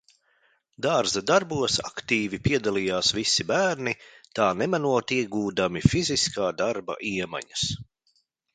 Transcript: Dārza darbos aktīvi piedalījās visi bērni, tā nemanot iegūdami fiziskā darba iemaņas.